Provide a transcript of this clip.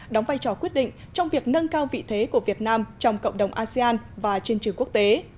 đóng vai trò quyết định trong việc nâng cao vị thế của việt nam trong cộng đồng asean và trên trường quốc tế